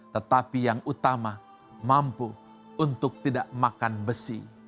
tetapi yang utama mampu untuk tidak makan besi